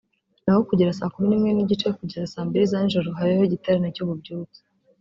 naho guhera saa kumi n’imwe n’igice kugeza saa mbili za nijoro habeho igiterane cy’ububyutse